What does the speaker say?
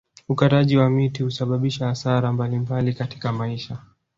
Ukataji wa miti husababisha hasara mbalimbali katika maisha